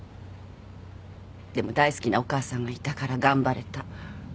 でも大好きなお母さんがいたから頑張れた。